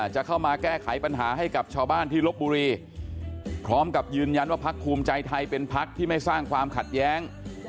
จะเข้ามาแก้ไขปัญหาให้กับชาวบ้านที่ลบบุรีพร้อมกับยืนยันว่าพักภูมิใจไทยเป็นพักที่ไม่สร้างความขัดแย้ง